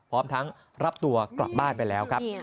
พร้อมทั้งรับตัวกลับบ้านไปแล้วครับ